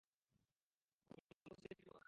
কোন সিনক্রিয়েট কোরো না?